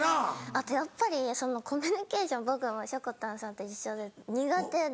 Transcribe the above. あとやっぱりコミュニケーション僕もしょこたんさんと一緒で苦手で。